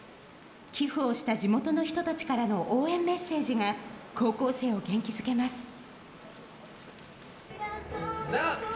寄付をした地元の人たちからの応援メッセージが高校生を元気づけます。